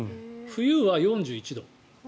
冬は４１度。